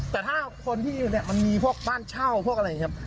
แต่ถ้าคนที่มีพวกบ้านเช่าพวกอะไรอย่างนี้ครับ